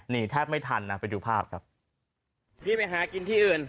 นี่แทบไม่ทันนะไปดูภาพครับพี่ไปหากินที่อื่น